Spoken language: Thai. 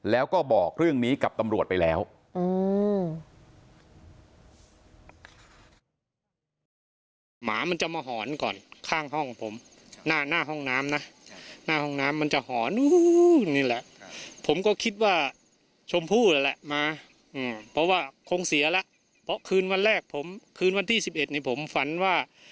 แล้วก็บอกเรื่องนี้กับตำรวจไปแล้ว